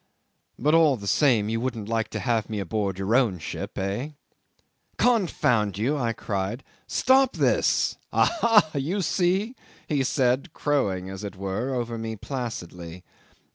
'"But all the same, you wouldn't like to have me aboard your own ship hey?" '"Confound you!" I cried. "Stop this." '"Aha! You see," he said, crowing, as it were, over me placidly.